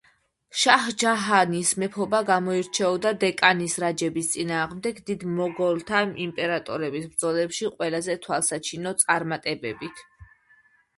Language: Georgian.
შაჰ ჯაჰანის მეფობა გამოირჩეოდა დეკანის რაჯების წინააღმდეგ დიდ მოგოლთა იმპერატორების ბრძოლებში ყველაზე თვალსაჩინო წარმატებებით.